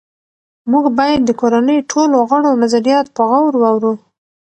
موږ باید د کورنۍ ټولو غړو نظریات په غور واورو